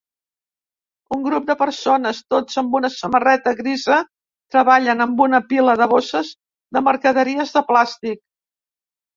Un grup de persones tots amb una samarreta grisa treballen amb una pila de bosses de mercaderies de plàstic.